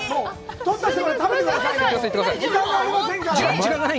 取った人から食べてください。